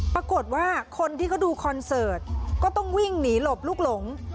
ปรากฏว่าคนที่เขาดูคอนเสิร์ตก็ต้องวิ่งหนีหลบลูกหลง